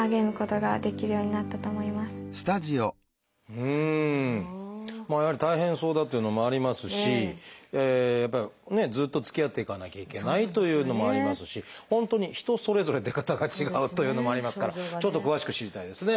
うんやはり大変そうだというのもありますしやっぱりねずっとつきあっていかなきゃいけないというのもありますし本当に人それぞれ出方が違うというのもありますからちょっと詳しく知りたいですね。